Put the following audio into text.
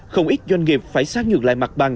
không ít doanh nghiệp phải sát nhược lại mặt bằng